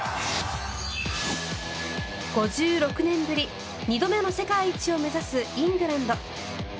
５６年ぶり２度目の世界一を目指すイングランド。